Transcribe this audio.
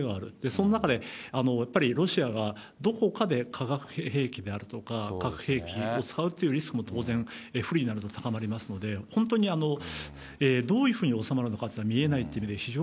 その中でやっぱりロシアがどこかで化学兵器であるとか核兵器を使うというリスクも当然、不利になると、高まりますので、本当にどういうふうに収まるのかというのは見え